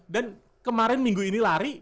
dan kemarin minggu ini lari